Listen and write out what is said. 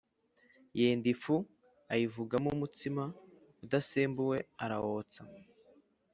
yenda ifu ayivugamo umutsima udasembuwe arawotsa,